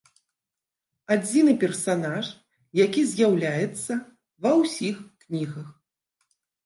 Адзіны персанаж, які з'яўляецца ва ўсіх кнігах.